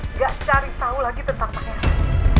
nggak cari tahu lagi tentang pangeran